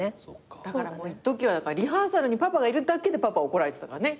だからいっときはリハーサルにパパがいるだけでパパ怒られてたからね。